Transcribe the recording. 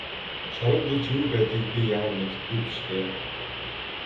Шорон гэж юу байдгийг би ямар мэдэхгүй биш дээ.